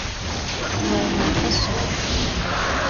傲慢不遜